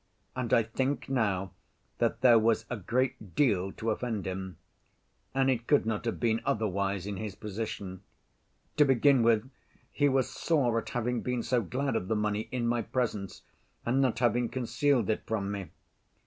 And I think now that there was a great deal to offend him ... and it could not have been otherwise in his position.... To begin with, he was sore at having been so glad of the money in my presence and not having concealed it from me.